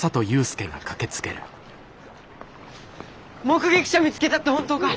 目撃者見つけたって本当か？